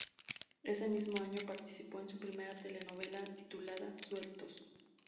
Ese mismo año participó en su primera telenovela, titulada "Sueltos".